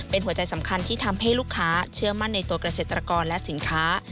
เป็นหัวใจสำคัญที่ทำให้ลูกค้าเชื่อมั่นในตัวเกษตรกรและสินค้า